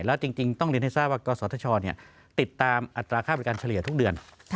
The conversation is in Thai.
แล้วจริงต้องเรียนให้ทราบว่ากศธชติดตามอัตราค่าบริการเฉลี่ยทุกเดือน